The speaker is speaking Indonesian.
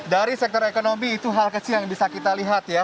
dari sektor ekonomi itu hal kecil yang bisa kita lihat ya